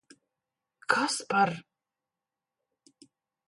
Kas par...